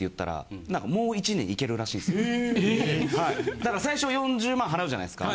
だから最初４０万払うじゃないですか。